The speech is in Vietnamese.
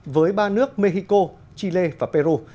với ba nước mexico chile và peru